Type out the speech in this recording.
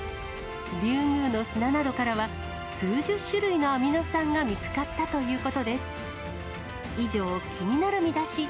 リュウグウの砂などからは、数十種類のアミノ酸が見つかったということです。